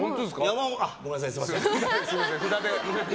あ、ごめんなさい。